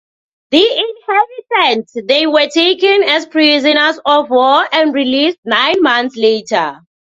The inhabitants there were taken as prisoners of war and released nine months later.